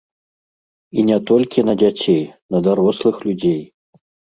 І не толькі на дзяцей, на дарослых людзей.